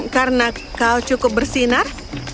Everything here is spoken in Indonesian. karena kau cukup bersinar